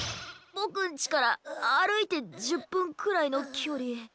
ボクんちからあるいて１０ぷんくらいのきょり。